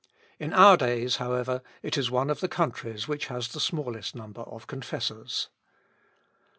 In our days, however, it is one of the countries which has the smallest number of confessors.